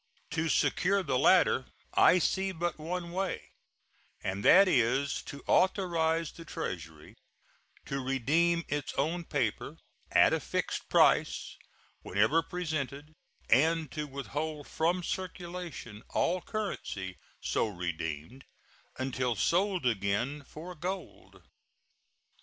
To secure the latter I see but one way, and that is to authorize the Treasury to redeem its own paper, at a fixed price, whenever presented, and to withhold from circulation all currency so redeemed until sold again for gold.